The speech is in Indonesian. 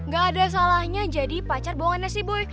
ga ada salahnya jadi pacar bohongannya sih boy